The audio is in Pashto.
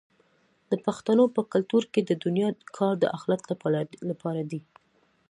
د پښتنو په کلتور کې د دنیا کار د اخرت لپاره دی.